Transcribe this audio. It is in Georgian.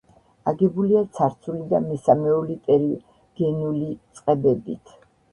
აგებულია ცარცული და მესამეული ტერიგენული წყებებით.